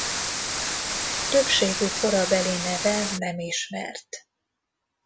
Többségük korabeli neve nem ismert.